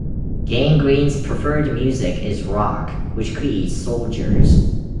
Gangreen's preferred music is rock, which creates soldiers.